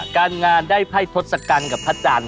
การงานได้ไพ่ทศกัณฐ์กับพระจันทร์